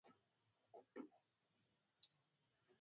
hii ilianza mwaka elfumoja miatisa sabini baada